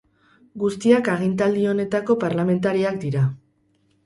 Guztiak agintaldi honetako parlamentariak dira.